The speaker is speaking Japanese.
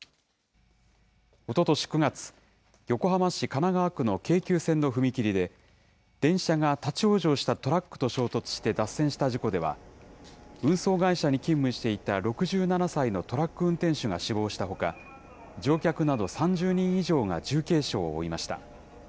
おととし９月、横浜市神奈川区の京急線の踏切で、電車が立往生したトラックと衝突して脱線した事故では、運送会社に勤務していた６７歳のトラック運転手が死亡したほか、乗客など３０人以上が重軽傷を負いました。